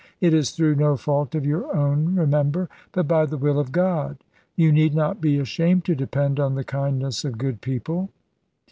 It is through no fault of your own, remember; but by the will of God. You need not be ashamed to depend on the kindness of good people."